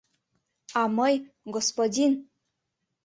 — А мый — господин!